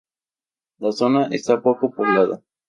La zona está poco poblada.